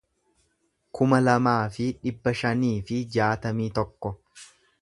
kuma lamaa fi dhibba shanii fi jaatamii tokko